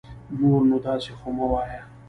نور نو داسي خو مه وايه